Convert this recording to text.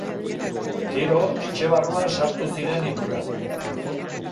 Gero etxe barruan sartu ziren hirurak.